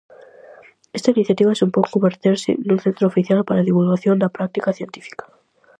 Esta iniciativa supón converterse nun centro oficial para a divulgación da práctica científica.